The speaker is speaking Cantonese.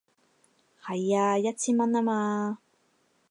係啊，一千蚊吖嘛